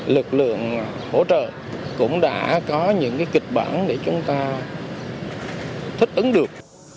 lực lượng hỗ trợ cũng đã có những kịch bản để chúng ta thích ứng được